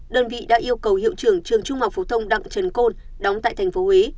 đơn vị đã yêu cầu hiệu trưởng trường trung học phổ thông đặng trần côn đóng tại tp huế